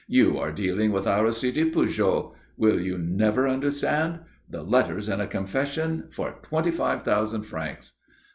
"You are dealing with Aristide Pujol. Will you never understand? The letters and a confession for twenty five thousand francs."